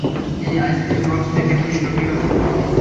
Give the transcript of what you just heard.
এই আইসক্রিম বক্সটা এখানে এলো কীভাবে?